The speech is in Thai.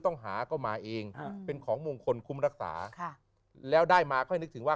ต้องหาก็มาเองเป็นของมงคลคุ้มรักษาค่ะแล้วได้มาค่อยนึกถึงว่า